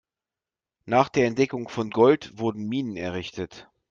Nach der Entdeckung von Gold wurden Minen errichtet.